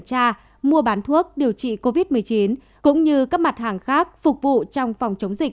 tra mua bán thuốc điều trị covid một mươi chín cũng như các mặt hàng khác phục vụ trong phòng chống dịch